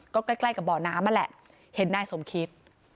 ก็ใกล้กับบ่อน้ำนั่นแหละเห็นนายสมคิต